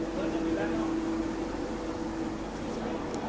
สวัสดีครับ